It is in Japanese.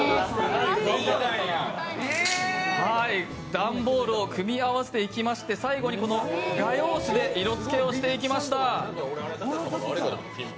段ボールを組み合わせていきまして最後に色つけをしていきました。